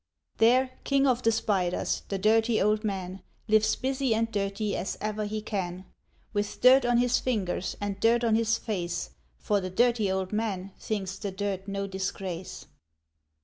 There, king of the spiders, the Dirty Old Man Lives busy and dirty as ever he can; With dirt on his fingers and dirt on his face, For the Dirty Old Man thinks the dirt no disgrace.